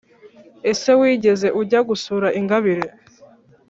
Ese wigeze ujya gusura ingabire?